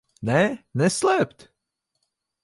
Nē? Neslēpt?